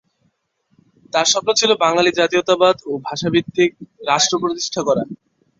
তাঁর স্বপ্ন ছিল বাঙালি জাতীয়তাবাদ ও ভাষাভিত্তিক রাষ্ট্র প্রতিষ্ঠা করা।